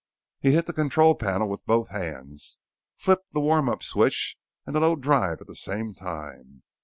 He hit the control panel with both hands; flipped the warm up switch and the low drive at the same time.